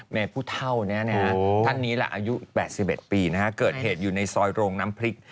แม่ผู้เท่าท่านนี้ล่ะอายุ๘๑ปีเกิดเหตุอยู่ในซอยโรงน้ำพริก